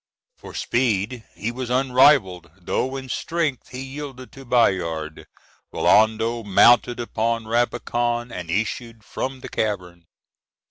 For speed he was unrivalled, though in strength he yielded to Bayard. Rinaldo mounted upon Rabican, and issued from the cavern.